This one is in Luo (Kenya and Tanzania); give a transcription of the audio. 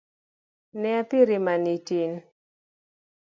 Ne a piri mane itin